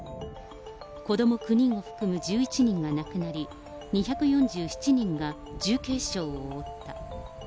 子ども９人を含む１１人が亡くなり、２４７人が重軽傷を負った。